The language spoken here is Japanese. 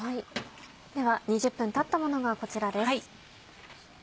では２０分たったものがこちらです。